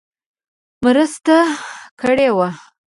مرسته کړې وه.